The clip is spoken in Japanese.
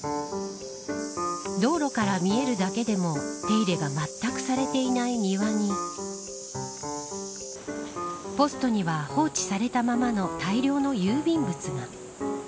道路から見えるだけでも手入れがまったくされていない庭にポストには放置されたままの大量の郵便物が。